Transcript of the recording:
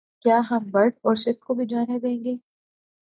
کیا ہم بٹ اور صف کو بھی جانے دیں گے